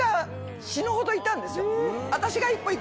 私が。